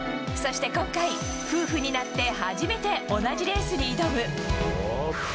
そして今回、夫婦になって初めて同じレースに挑む。